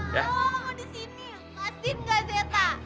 kamu disini pasti gak zeta